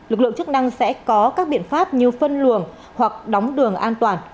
lực lượng chức năng sẽ có các biện pháp như phân luồng hoặc đóng đường an toàn